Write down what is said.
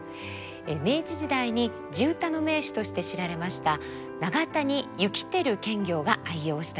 明治時代に地唄の名手として知られました長谷幸輝検校が愛用したという三味線です。